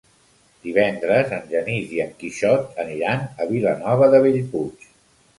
Divendres en Genís i en Quixot aniran a Vilanova de Bellpuig.